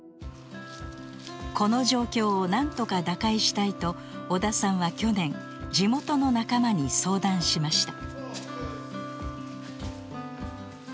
この状況をなんとか打開したいと尾田さんは去年地元の仲間に相談しました。